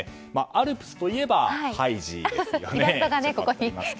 アルプスといえばハイジですよね。